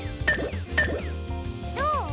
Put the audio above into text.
どう？